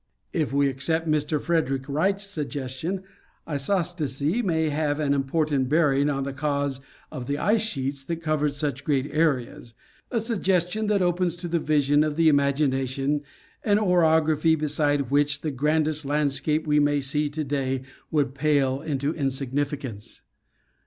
If we accept Mr. Frederick Wright's suggestion, isostacy may have an important bearing on the cause of the ice sheets that covered such great areas ; a suggestion that opens to the vision of the imagination an orography beside which the grandest landscape we may see to day would pale into insignificance.